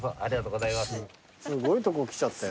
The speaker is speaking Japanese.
すごいとこ来ちゃったよ。